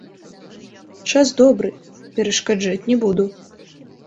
Час добры, перашкаджаць не буду.